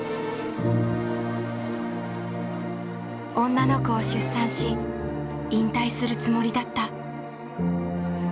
女の子を出産し引退するつもりだった。